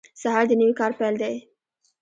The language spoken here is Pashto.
سهار د نوي کار پیل دی.